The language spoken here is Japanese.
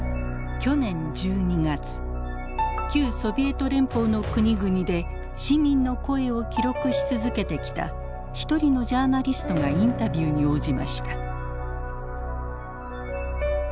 去年１２月旧ソビエト連邦の国々で市民の声を記録し続けてきた一人のジャーナリストがインタビューに応じました。